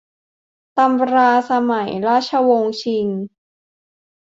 ตำราสมัยราชวงศ์ชิง